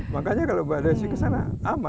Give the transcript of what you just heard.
makanya kalau mbak desi kesana sama